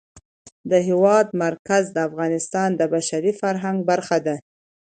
د هېواد مرکز د افغانستان د بشري فرهنګ برخه ده.